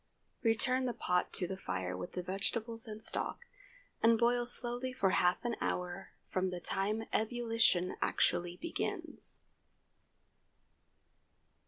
Return the pot to the fire with the vegetables and stock, and boil slowly for half an hour from the time ebullition actually begins.